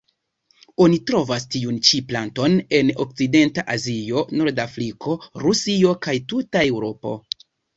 Oni trovas tiun ĉi planton en okcidenta Azio, Nordafriko, Rusio kaj tuta Eŭropo.